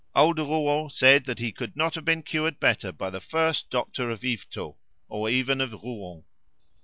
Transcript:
Old Rouault said that he could not have been cured better by the first doctor of Yvetot, or even of Rouen.